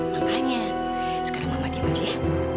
makanya sekarang mama diem aja ya